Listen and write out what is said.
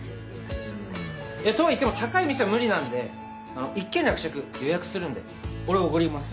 えっ？とは言っても高い店は無理なんで一件楽着予約するんで俺おごります。